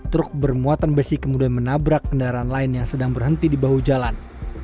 truk bermuatan besi kemudian menabrak kendaraan lain yang sedang berhenti di bahu jalan